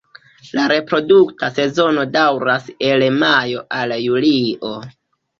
La reprodukta sezono daŭras el majo al julio.